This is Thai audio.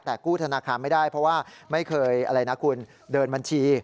แต่กู้ธนาคารไม่ได้เพราะว่าไม่เคยอะไรนะคุณเดินบัญชี